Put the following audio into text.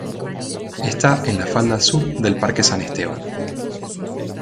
Está en la falda sur del parque San Esteban.